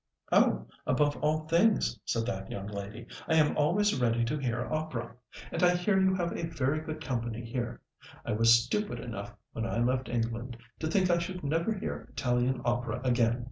"Oh! above all things," said that young lady; "I am always ready to hear opera. And I hear you have a very good company here. I was stupid enough, when I left England, to think I should never hear Italian opera again.